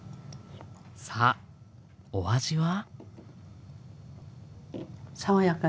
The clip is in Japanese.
さあお味は？